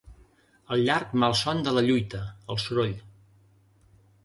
El llarg malson de la lluita, el soroll